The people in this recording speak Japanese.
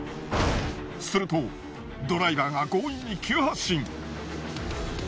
するとドライバーが強引に急発進。